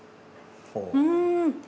うん。